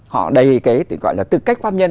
họ đầy cái gọi là tư cách pháp nhân